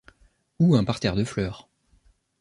Ou un parterre de fleurs.